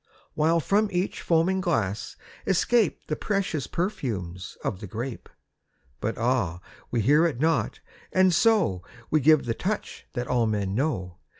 While from each foaming glass escape The precious perfumes of the grape. But ah, we hear it not, and so We give the touch that all men know.